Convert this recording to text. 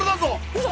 うそ！